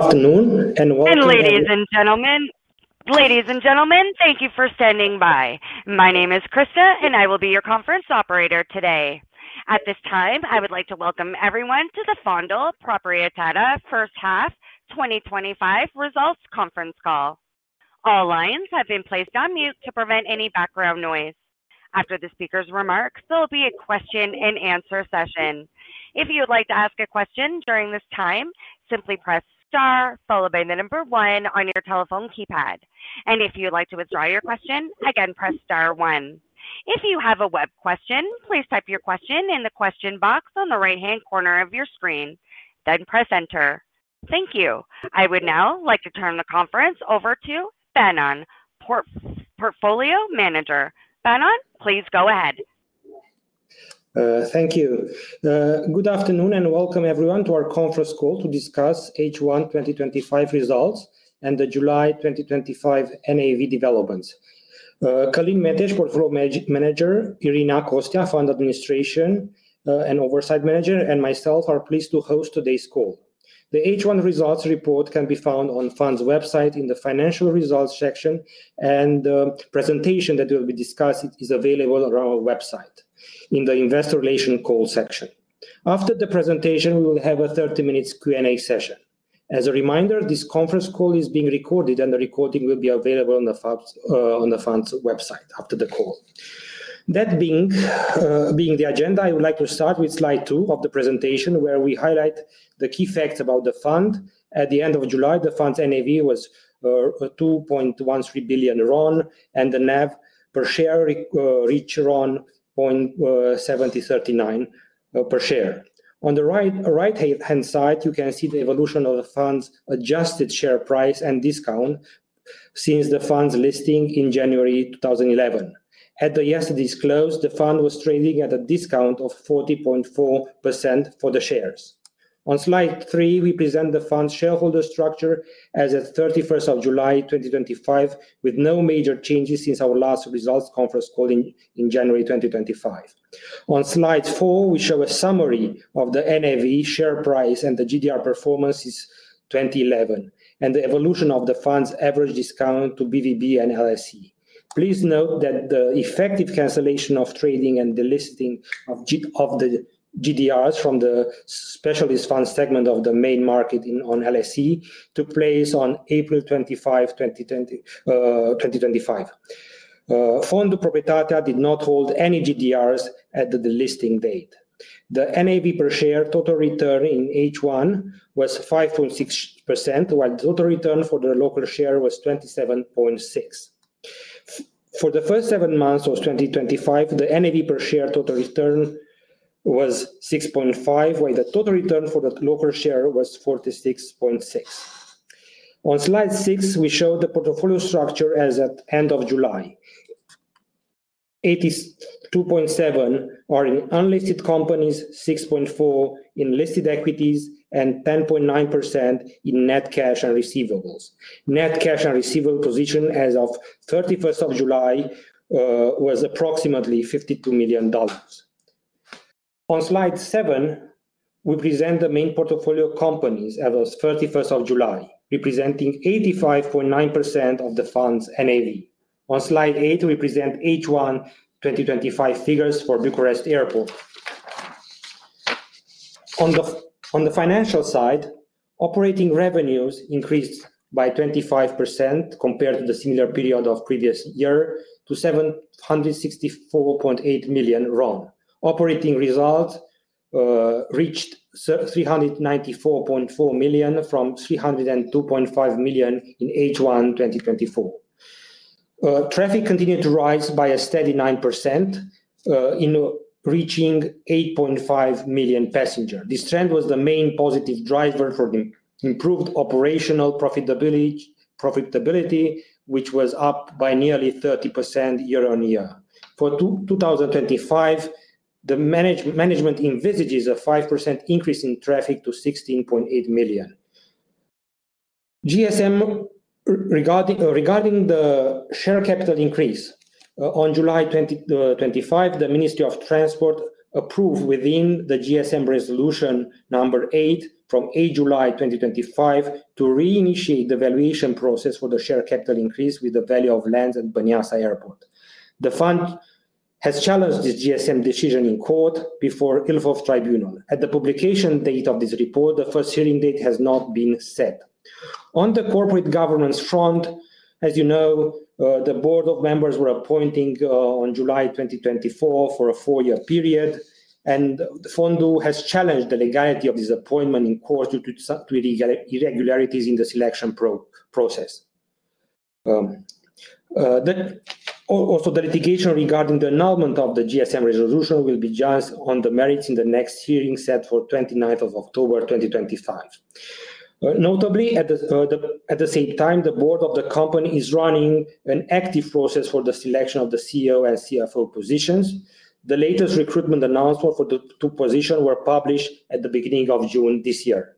Good evening, ladies and gentlemen. Ladies and gentlemen, thank you for standing by. My name is Krista, and I will be your conference operator today. At this time, I would like to welcome everyone to the Fondul Proprietatea First Half 2025 Results Conference Call. All lines have been placed on mute to prevent any background noise. After the speaker's remarks, there will be a question-and-answer session. If you would like to ask a question during this time, simply press star, followed by the number one on your telephone keypad. If you would like to withdraw your question, again, press star one. If you have a web question, please type your question in the question box on the right-hand corner of your screen. Then press enter. Thank you. I would now like to turn the conference over to Daniel, Portfolio Manager. Daniel, please go ahead. Thank you. Good afternoon and welcome everyone to our conference call to discuss H1 2025 results and the July 2025 NAV developments. Călin Meteș, Portfolio Manager, Irina Costea, Fund Administration and Oversight Manager, and myself are pleased to host today's call. The H1 results report can be found on the Fund's website in the financial results section, and the presentation that will be discussed is available on our website in the "Investor Relations Call" section. After the presentation, we will have a 30-minute Q&A session. As a reminder, this conference call is being recorded, and the recording will be available on the Fund's website after the call. That being the agenda, I would like to start with slide two of the presentation where we highlight the key facts about the Fund. At the end of July, the Fund's NAV was RON 2.13 billion, and the NAV per share reached RON 0.7039 per share. On the right-hand side, you can see the evolution of the Fund's adjusted share price and discount since the Fund's listing in January 2011. At yesterday's close, the Fund was trading at a discount of 40.4% for the shares. On slide three, we present the Fund's shareholder structure as of 31st of July 2025, with no major changes since our last results conference call in January 2025. On slide four, we show a summary of the NAV, share price, and the GDR performance since 2011, and the evolution of the Fund's average discount to BVB and LSE. Please note that the effective cancellation of trading and the listing of the GDRs from the specialist Fund segment of the main market on LSE took place on April 25, 2025. Fondul Proprietatea did not hold any GDRs at the listing date. The NAV per share total return in H1 was 5.6%, while the total return for the local share was 27.6%. For the first seven months of 2025, the NAV per share total return was 6.5%, while the total return for the local share was 46.6%. On slide six, we show the portfolio structure as at the end of July. 82.7% are in unlisted companies, 6.4% in listed equities, and 10.9% in net cash and receivables. Net cash and receivable position as of 31st of July was approximately $52 million. On slide seven, we present the main portfolio companies as of 31st of July, representing 85.9% of the Fund's NAV. On slide eight, we present H1 2025 figures for Bucharest Airports. On the financial side, operating revenues increased by 25% compared to the similar period of the previous year to RON 764.8 million. Operating results reached RON 394.4 million from RON 302.5 million in H1 2024. Traffic continued to rise by a steady 9%, reaching 8.5 million passengers. This trend was the main positive driver for the improved operational profitability, which was up by nearly 30% year on year. For 2025, the management envisages a 5% increase in traffic to 16.8 million. Regarding the share capital increase, in July 2025, the Ministry of Transport approved within the GSM resolution number eight from 8 July 2025 to reinitiate the valuation process for the share capital increase with the value of lands at Băneasa Airport. The Fund has challenged this GSM decision in court before Ilfov Tribunalul. At the publication date of this report, the first hearing date has not been set. On the corporate governance front, as you know, the Board of Members were appointed in July 2024 for a four-year period, and Fondul has challenged the legality of this appointment in court due to irregularities in the selection process. Also, the litigation regarding the annulment of the GSM resolution will be judged on the merits in the next hearing set for 29th October 2025. Notably, at the same time, the Board of the company is running an active process for the selection of the CEO and CFO positions. The latest recruitment announcements for the two positions were published at the beginning of June this year.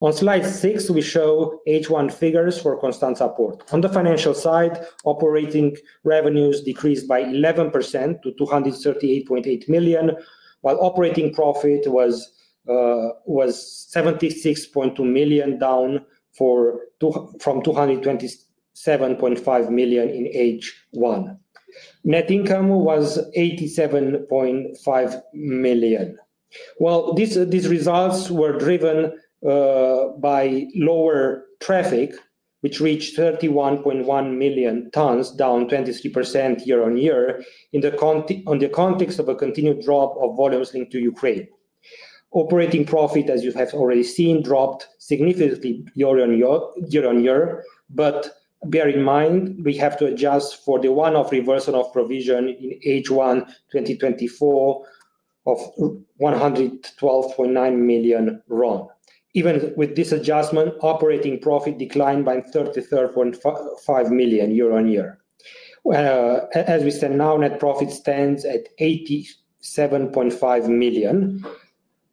On slide six, we show H1 figures for Constanța Port. On the financial side, operating revenues decreased by 11% to RON 238.8 million, while operating profit was RON 76.2 million, down from RON 227.5 million in H1. Net income was RON 87.5 million. These results were driven by lower traffic, which reached 31.1 million tons, down 23% year on year in the context of a continued drop of volumes linked to Ukraine. Operating profit, as you have already seen, dropped significantly year on year, but bear in mind, we have to adjust for the one-off reversal of provision in H1 2024 of RON 112.9 million. Even with this adjustment, operating profit declined by RON 33.5 million year on year. As we stand now, net profit stands at RON 87.5 million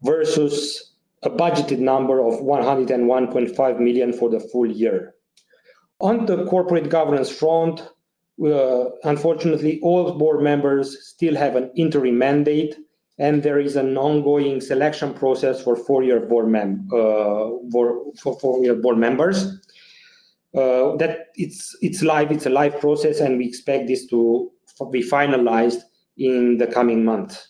versus a budgeted number of RON 101.5 million for the full year. On the corporate governance front, unfortunately, all Board Members still have an interim mandate, and there is an ongoing selection process for four-year Board Members. It's a live process, and we expect this to be finalized in the coming months.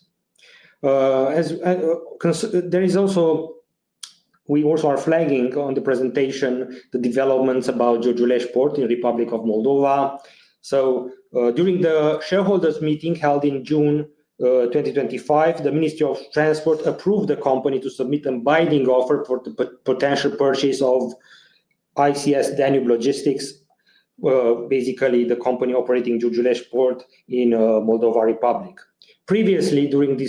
We also are flagging on the presentation the developments about Giurgiulești Port in the Republic of Moldova. During the shareholders' meeting held in June 2025, the Ministry of Transport approved the company to submit a binding offer for the potential purchase of ICS Danube Logistics, basically the company operating Giurgiulești Port in the Moldova Republic. Previously, during the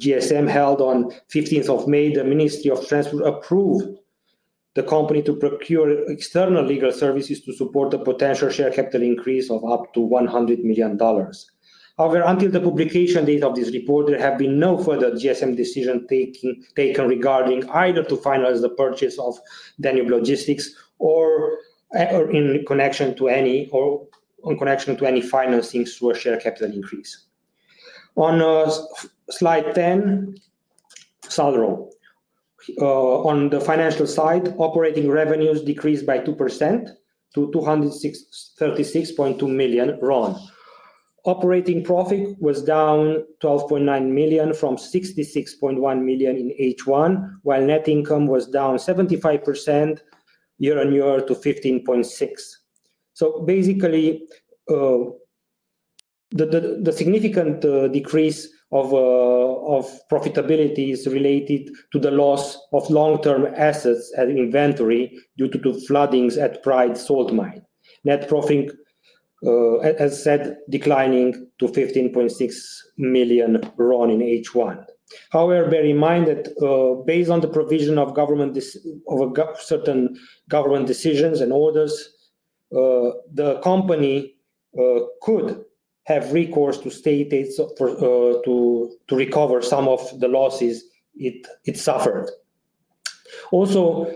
GSM held on 15th of May, the Ministry of Transport approved the company to procure external legal services to support the potential share capital increase of up to $100 million. However, until the publication date of this report, there have been no further GSM decisions taken regarding either to finalize the purchase of Danube Logistics or in connection to any financing through a share capital increase. On slide 10, Salrom. On the financial side, operating revenues decreased by 2% to RON 236.2 million. Operating profit was down RON 12.9 million from RON 66.1 million in H1, while net income was down 75% year on year to 15.6%. The significant decrease of profitability is related to the loss of long-term assets at inventory due to floodings at Praid Salt Mine. Net profit, as said, declining to 15.6 million RON in H1. However, bear in mind that based on the provision of certain government decisions and orders, the company could have recourse to state its recovery of some of the losses it suffered. Also,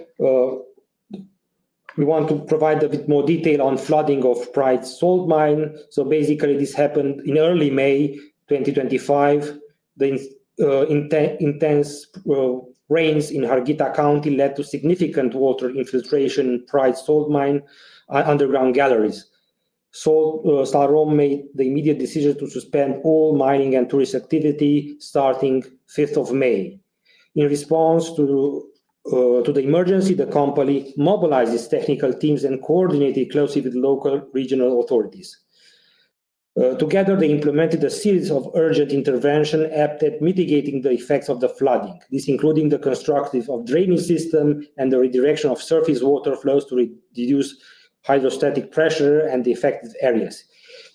we want to provide a bit more detail on flooding of Praid Salt Mine. This happened in early May 2025. The intense rains in Harghita County led to significant water infiltration in Praid Salt Mine underground galleries. Salrom made the immediate decision to suspend all mining and tourist activity starting 5th of May. In response to the emergency, the company mobilized its technical teams and coordinated closely with local regional authorities. Together, they implemented a series of urgent interventions aimed at mitigating the effects of the flooding. This included the construction of a drainage system and the redirection of surface water flows to reduce hydrostatic pressure in the affected areas.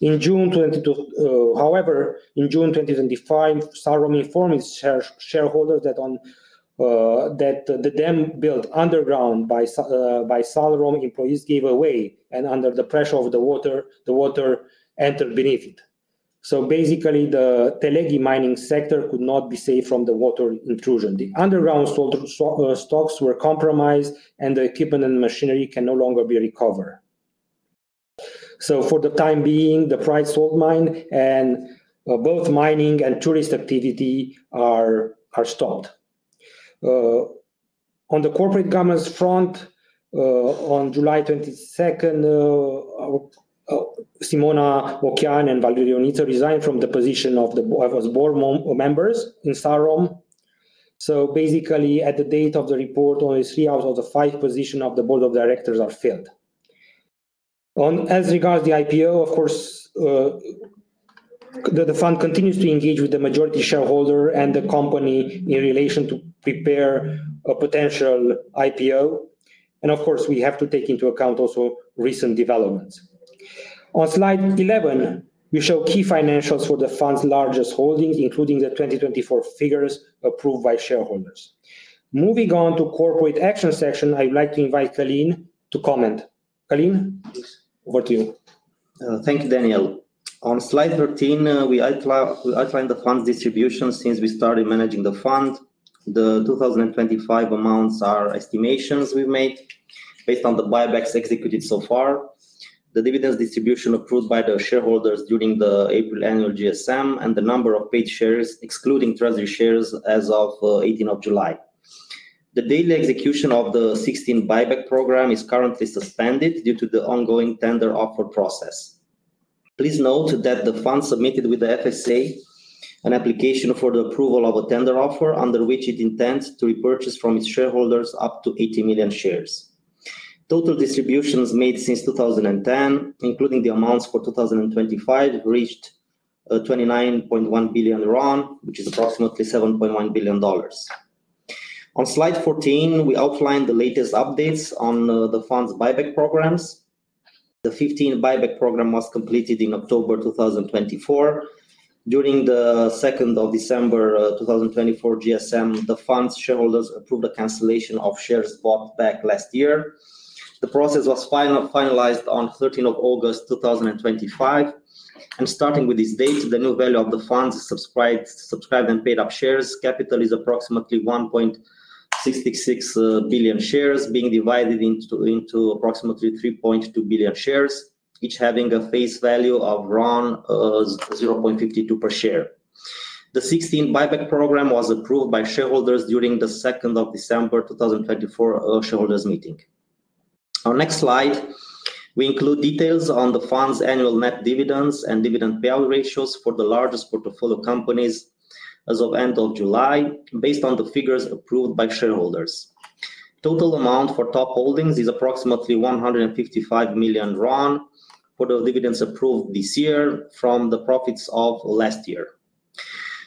In June 2025, Salrom informed its shareholders that the dam built underground by Salrom employees gave way, and under the pressure of the water, the water entered beneath it. The Telegdy mining sector could not be saved from the water intrusion. The underground stocks were compromised, and the equipment and machinery can no longer be recovered. For the time being, the Praid Salt Mine and both mining and tourist activity are stalled. On the corporate governance front, on July 22nd, Simona Ochian and Valeriu Ionita resigned from the position of the board members in Salrom. At the date of the report, only three out of the five positions of the board of directors are filled. As regards the IPO, of course, the Fund continues to engage with the majority shareholder and the company in relation to prepare a potential IPO. We have to take into account also recent developments. On slide 11, we show key financials for the Fund's largest holdings, including the 2024 figures approved by shareholders. Moving on to the corporate action section, I would like to invite Călin to comment. Călin, over to you. Thank you, Daniel. On slide 13, we outlined the Fund's distribution since we started managing the Fund. The 2025 amounts are estimations we've made based on the buybacks executed so far, the dividends distribution approved by the shareholders during the April annual GSM, and the number of paid shares, excluding treasury shares, as of 18th of July. The daily execution of the 16th buy-back programme is currently suspended due to the ongoing public tender offer process. Please note that the Fund submitted with the an application for the approval of a public tender offer under which it intends to repurchase from its shareholders up to 80 million shares. Total distributions made since 2010, including the amounts for 2025, reached RON 29.1 billion, which is approximately $7.1 billion. On slide 14, we outlined the latest updates on the Fund's buy-back programmes. The 15th buy-back programme was completed in October 2024. During the 2nd of December 2024, GSM, the Fund's shareholders approved a cancellation of shares bought back last year. The process was finalized on 13th of August 2025. Starting with this date, the new value of the Fund's subscribed and paid-off share capital is approximately 1.66 billion shares, being divided into approximately 3.2 billion shares, each having a face value of RON 0.52 per share. The 16th buy-back programme was approved by shareholders during the 2nd of December 2024 shareholders' meeting. On our next slide, we include details on the Fund's annual net dividends and dividend payout ratios for the largest portfolio companies as of the end of July, based on the figures approved by shareholders. The total amount for top holdings is approximately RON 155 million for the dividends approved this year from the profits of last year.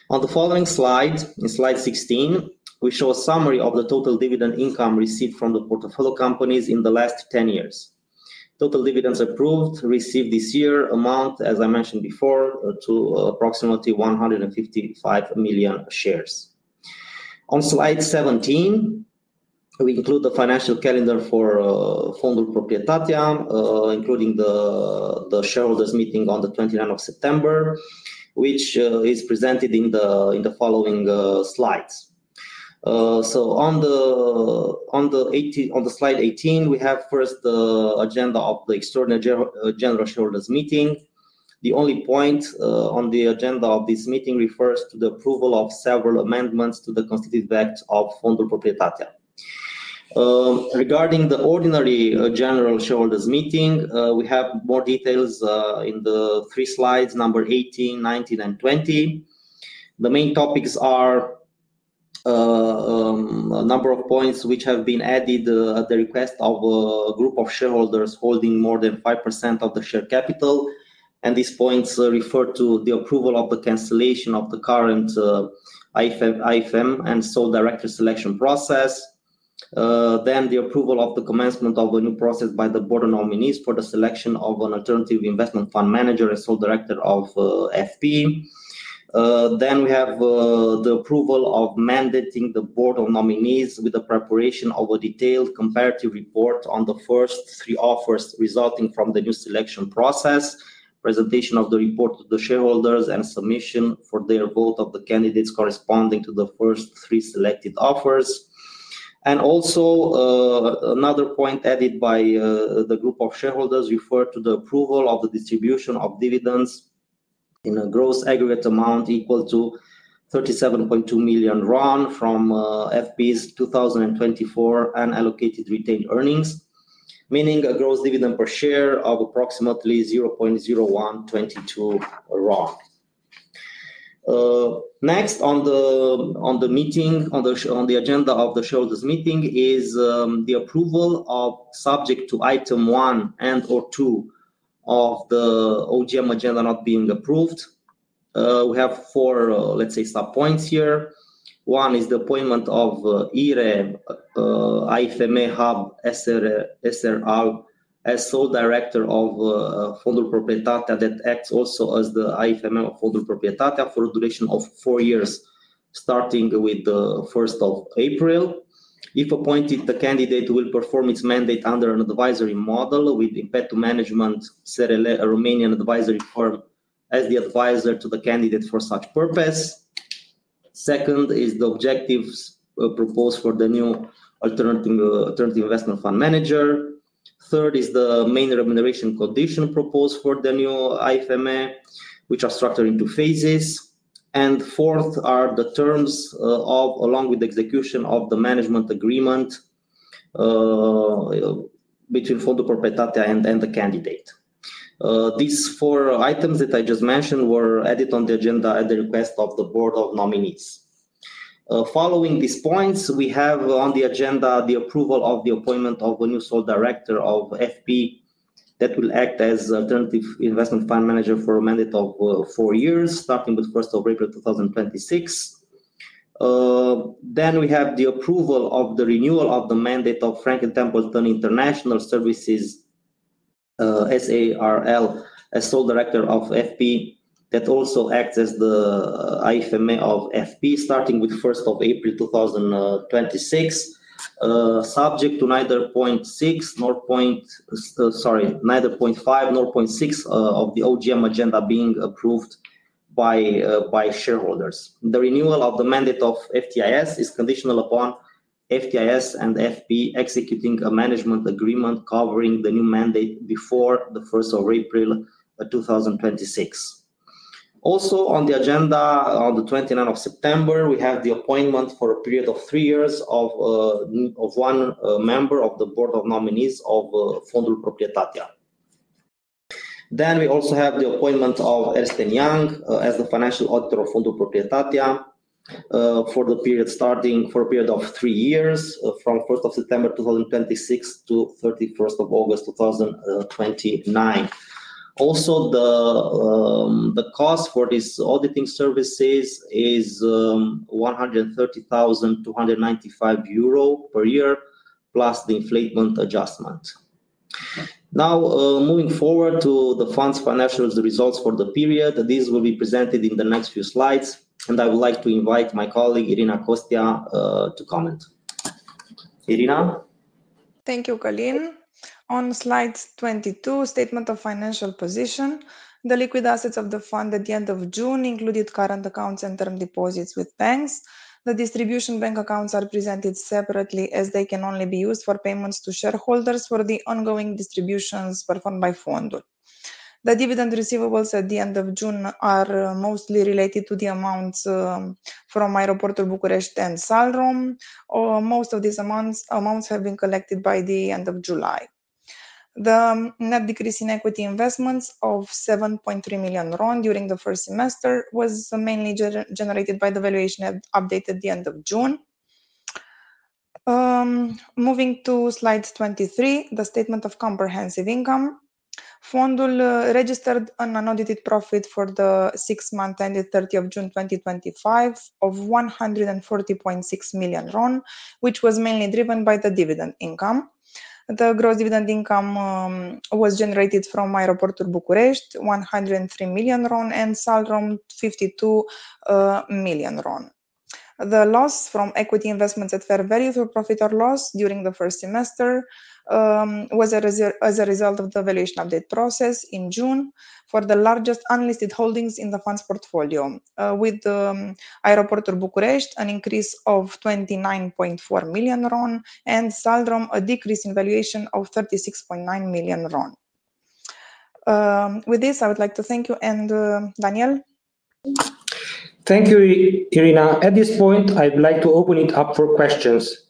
On the following slide, in slide 16, we show a summary of the total dividend income received from the portfolio companies in the last 10 years. Total dividends approved and received this year amount, as I mentioned before, to approximately RON 155 million shares. On slide 17, we include the financial calendar for Fondul Proprietatea, including the shareholders' meeting on the 29th of September, which is presented in the following slides. On slide 18, we have first the agenda of the external General Shareholders’ Meeting. The only point on the agenda of this meeting refers to the approval of several amendments to the constitutive act of Fondul Proprietatea. Regarding the ordinary General Shareholders’ Meeting, we have more details in the three slides, number 18, 19, and 20. The main topics are a number of points which have been added at the request of a group of shareholders holding more than 5% of the share capital. These points refer to the approval of the cancellation of the current AIFM and sole director selection process. The approval of the commencement of a new process by the board of nominees for the selection of an alternative investment Fund manager and sole director of FP. We have the approval of mandating the board of nominees with the preparation of a detailed comparative report on the first three offers resulting from the new selection process, presentation of the report to the shareholders, and submission for their vote of the candidates corresponding to the first three selected offers. Another point added by the group of shareholders referred to the approval of the distribution of dividends in a gross aggregate amount equal to RON 37.2 million from FP’s 2024 unallocated retained earnings, meaning a gross dividend per share of approximately RON 0.0122. Next, on the agenda of the shareholders’ meeting is the approval of, subject to item one and/or two of the OGM agenda not being approved. We have four, let’s say, sub-points here. One is the appointment of IRE AIFM HUB S.à.r.l. as sole director of Fondul Proprietatea that acts also as the AIFM of Fondul Proprietatea for a duration of four years, starting with the 1st of April. If appointed, the candidate will perform its mandate under an advisory model with Impetum Management S.R.L., a Romanian advisory firm, as the advisor to the candidate for such purpose. Second is the objectives proposed for the new Alternative Investment Fund Manager. Third is the main remuneration condition proposed for the new AIFM, which are structured into phases. Fourth are the terms of, along with the execution of the management agreement between Fondul Proprietatea and the candidate. These four items that I just mentioned were added on the agenda at the request of the board of nominees. Following these points, we have on the agenda the approval of the appointment of a new sole director of FP that will act as an alternative investment Fund manager for a mandate of four years, starting with 1st of April 2026. We have the approval of the renewal of the mandate of Franklin Templeton International Services S.à r.l. as sole director of FP that also acts as the AIFM of FP, starting with 1st of April 2026, subject to neither 0.5 nor 0.6 of the OGM agenda being approved by shareholders. The renewal of the mandate of FTIS is conditional upon FTIS and FP executing a management agreement covering the new mandate before 1st of April 2026. Also on the agenda, on 29th September, we have the appointment for a period of three years of one member of the Board of Nominees of Fondul Proprietatea. We also have the appointment of Ernst & Young as the financial auditor of Fondul Proprietatea for a period of three years from 1st of September 2026, to 31st of August 2029. The cost for these auditing services is 130,295 euro per year, plus the inflation adjustment. Moving forward to the Fund's financial results for the period, these will be presented in the next few slides, and I would like to invite my colleague Irina Costea to comment. Irina. Thank you, Călin. On slide 22, statement of financial position, the liquid assets of the Fund at the end of June included current accounts and term deposits with banks. The distribution bank accounts are presented separately as they can only be used for payments to shareholders for the ongoing distributions performed by Fondul. The dividend receivables at the end of June are mostly related to the amounts from Airport Bucharest and Salrom. Most of these amounts have been collected by the end of July. The net decrease in equity investments of RON 7.3 million during the first semester was mainly generated by the valuation updated at the end of June. Moving to slide 23, the statement of comprehensive income. Fondul registered an unaudited profit for the six-month ended 30th of June 2025 of RON 140.6 million, which was mainly driven by the dividend income. The gross dividend income was generated from Airport Bucharest, RON 103 million, and Salrom, RON 52 million. The loss from equity investments at fair value through profit or loss during the first semester was a result of the valuation update process in June for the largest unlisted holdings in the Fund's portfolio, with Airport Bucharest an increase of RON 29.4 million and Salrom a decrease in valuation of RON 36.9 million. With this, I would like to thank you and Daniel. Thank you, Irina. At this point, I'd like to open it up for questions.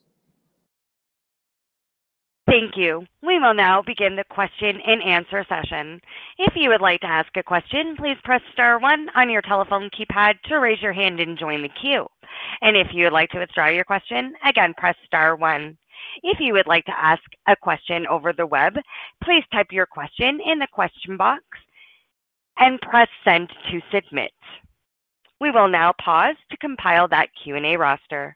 Thank you. We will now begin the question-and-answer session. If you would like to ask a question, please press star one on your telephone keypad to raise your hand and join the queue. If you would like to withdraw your question, again, press star one. If you would like to ask a question over the web, please type your question in the question box and press send to submit. We will now pause to compile that Q&A roster.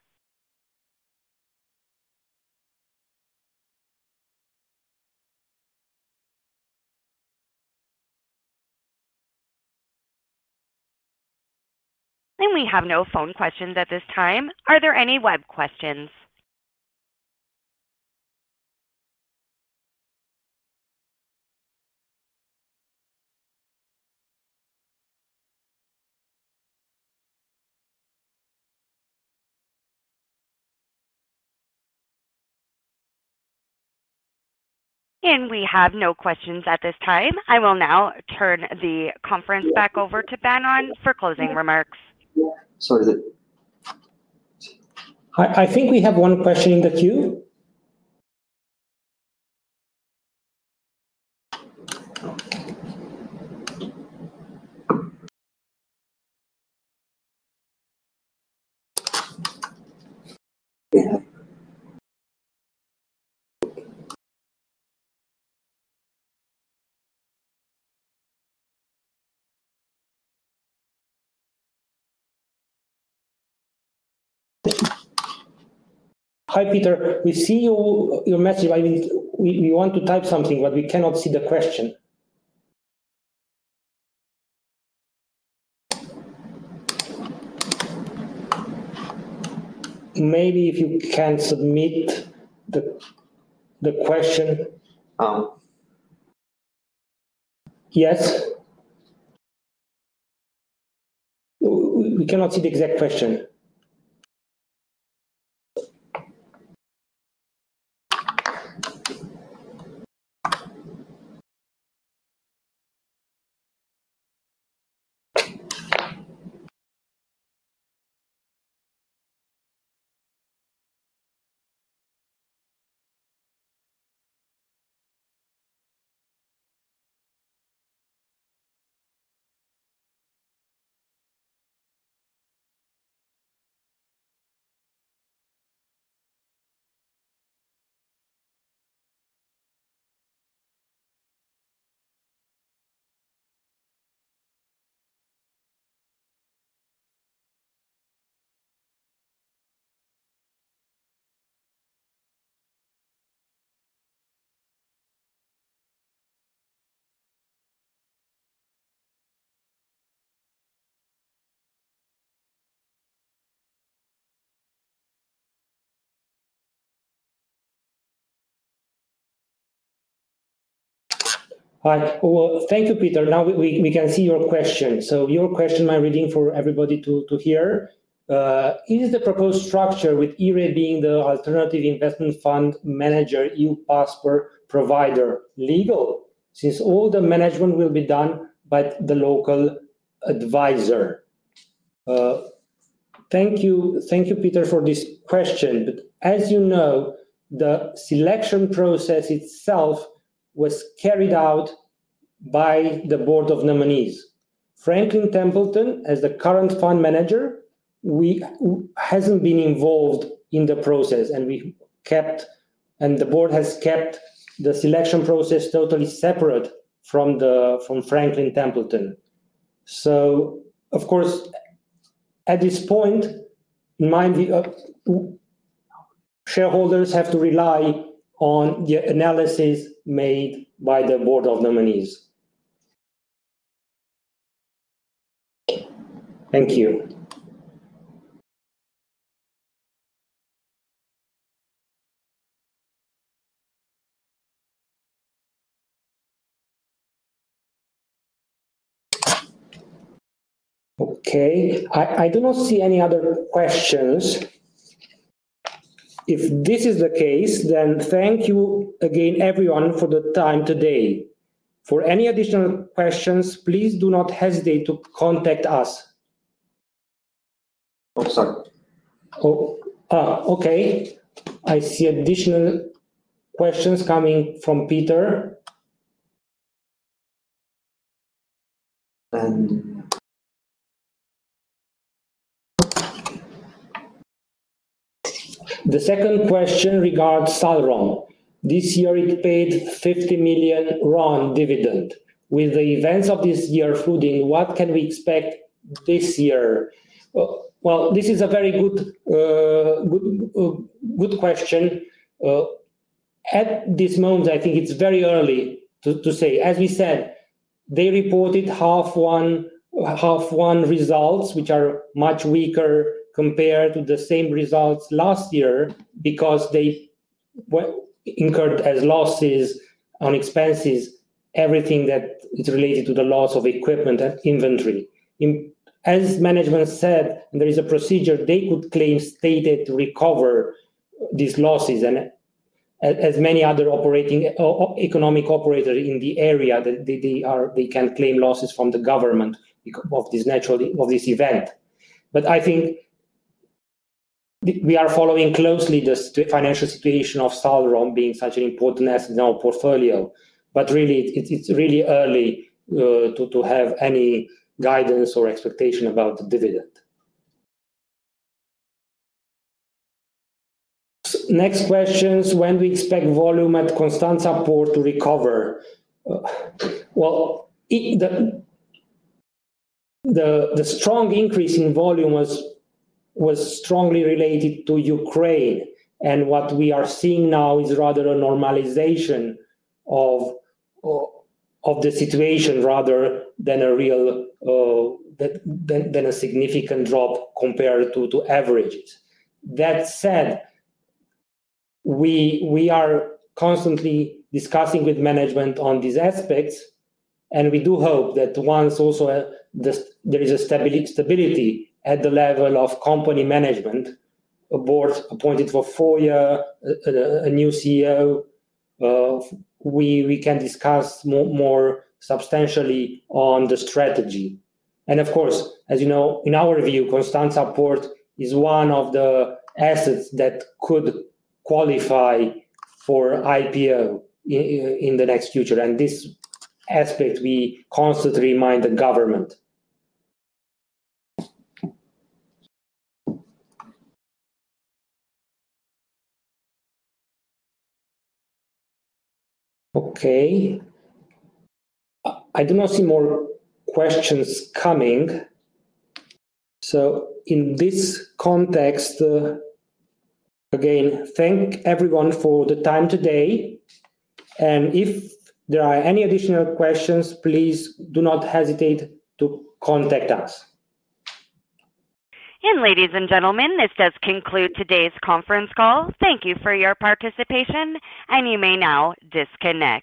We have no phone questions at this time. Are there any web questions? We have no questions at this time. I will now turn the conference back over to Daniel for closing remarks. Sorry, I think we have one question in the queue. Hi, Peter. We see your message. We want to type something, but we cannot see the question. Maybe if you can submit the question. Yes? We cannot see the exact question. Thank you, Peter. Now we can see your question. Your question, my reading for everybody to hear, is the proposed structure with IRE being the alternative investment Fund manager, you password provider legal since all the management will be done by the local advisor? Thank you, Peter, for this question. As you know, the selection process itself was carried out by the Board of Nominees. Franklin Templeton, as the current Fund manager, hasn't been involved in the process, and we kept, and the Board has kept the selection process totally separate from Franklin Templeton. At this point, shareholders have to rely on the analysis made by the Board of Nominees. Thank you. I do not see any other questions. If this is the case, thank you again, everyone, for the time today. For any additional questions, please do not hesitate to contact us. Oh, sorry. Okay. I see additional questions coming from Peter. The second question regards Salrom. This year, it paid RON 50 million dividend. With the events of this year flooding, what can we expect this year? This is a very good question. At this moment, I think it's very early to say. As we said, they reported half-one results, which are much weaker compared to the same results last year because they incurred as losses on expenses, everything that is related to the loss of equipment and inventory. As management said, there is a procedure they could claim stated to recover these losses. As many other economic operators in the area, they can claim losses from the government of this event. I think we are following closely the financial situation of Salrom being such an important asset in our portfolio. It's really early to have any guidance or expectation about the dividend. Next question is when do we expect volume at Constanța Port to recover? The strong increase in volume was strongly related to Ukraine, and what we are seeing now is rather a normalization of the situation rather than a significant drop compared to averages. That said, we are constantly discussing with management on these aspects, and we do hope that once also there is a stability at the level of company management, a Board appointed for four years, a new CEO, we can discuss more substantially on the strategy. Of course, as you know, in our view, Constanța Port is one of the assets that could qualify for IPO in the next future. This aspect, we constantly remind the government. I do not see more questions coming. In this context, again, thank everyone for the time today. If there are any additional questions, please do not hesitate to contact us. Ladies and gentlemen, this does conclude today's conference call. Thank you for your participation, and you may now disconnect.